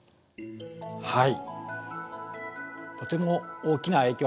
はい。